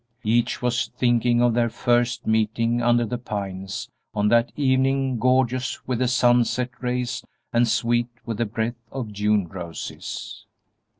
Each was thinking of their first meeting under the pines on that evening gorgeous with the sunset rays and sweet with the breath of June roses.